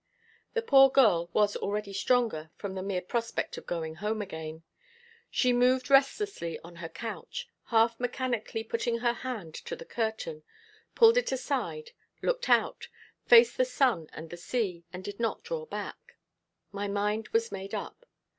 The poor girl was already stronger from the mere prospect of going home again. She moved restlessly on her couch, half mechanically put her hand to the curtain, pulled it aside, looked out, faced the sun and the sea, and did not draw back. My mind was made up.